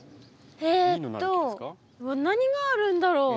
えと何があるんだろう？